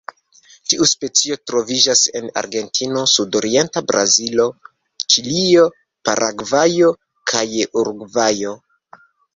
Tiu specio troviĝas en Argentino, sudorienta Brazilo, Ĉilio, Paragvajo kaj Urugvajo.